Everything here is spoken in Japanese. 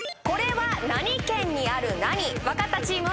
これは何県にある何？